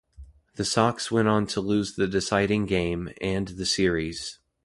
The Sox went on to lose the deciding game, and the series.